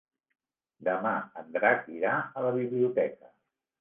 Demà en Drac irà a la biblioteca.